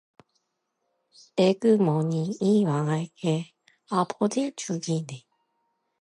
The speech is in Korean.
"에그머니! 이 망할 게 아버지 죽이네!"